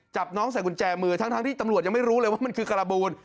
จับน้องใส่กุญแจมือทั้งที่ตำรวจยังไม่รู้เลยว่ามันคือการบูล